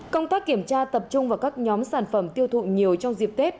công tác kiểm tra tập trung vào các nhóm sản phẩm tiêu thụ nhiều trong dịp tết